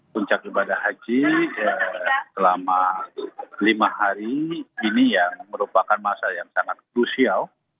puncak ibadah haji selama lima hari ini yang merupakan masa yang sangat krusial